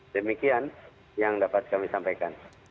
demikian yang dapat kami sampaikan